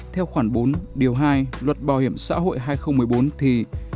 theo khoản bốn điều hai luật bảo hiểm xã hội hai nghìn một mươi bốn thì